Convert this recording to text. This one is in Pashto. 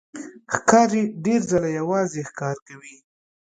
ښکاري ډېر ځله یوازې ښکار کوي.